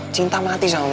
cinta mati sama melly